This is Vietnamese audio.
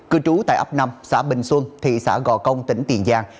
cư trú tại ấp năm xã bình xuân thị xã gò công tỉnh tiền giang